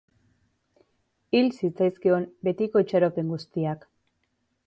Hil zitzaizkion betiko itxaropen guztiak.